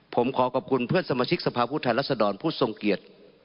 ผมขอกอบคุณเพื่อนสมาชิกสภาพพุทธไทยรัสดรผู้ทรงเกียจ